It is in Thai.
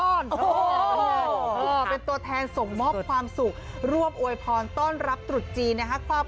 ตัวเป็นตัวแทนส่งมอบความสุขร่วมอวยพรต้อนรับตรุษจีนนะครับ